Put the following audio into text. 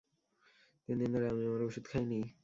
তিনদিন ধরে আমি আমার ওষুধ খাই নি।